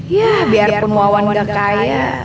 yah biar pemuawan gak kaya